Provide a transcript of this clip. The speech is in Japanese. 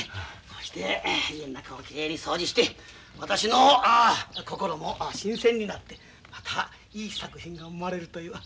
こうして家の中をきれいに掃除して私の心も新鮮になってまたいい作品が生まれるという私の作戦です。